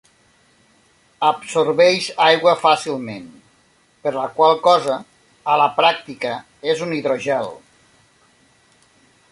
Absorbeix aigua fàcilment, per la qual cosa a la pràctica és un hidrogel.